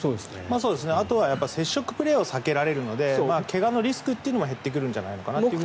あとは接触プレーを避けられるので怪我のリスクっていうのも減ってくるんじゃないかと思います。